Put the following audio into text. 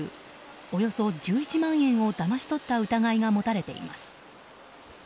およそ１１万円をだまし取った疑いが持たれています。